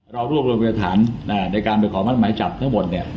เราร่วมรวมประฐานโอกามันออกหมายจากงานที่เหลือทั้งหมด